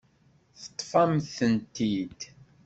Teṭṭef-am-tent-id.